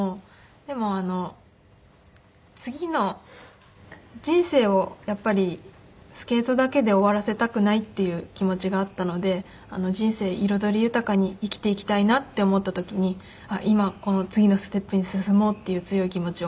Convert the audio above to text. でも次の人生をやっぱりスケートだけで終わらせたくないっていう気持ちがあったので人生彩り豊かに生きていきたいなって思った時に今次のステップに進もうっていう強い気持ちを持っていました。